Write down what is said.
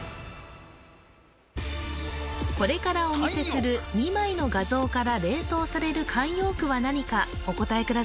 これからお見せする２枚の画像から連想される慣用句は何かお答え